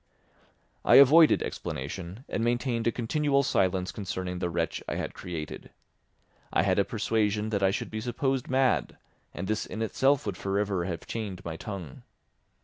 I avoided explanation and maintained a continual silence concerning the wretch I had created. I had a persuasion that I should be supposed mad, and this in itself would for ever have chained my tongue.